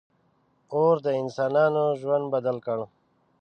• اور د انسانانو ژوند بدل کړ.